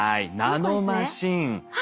ナノマシン。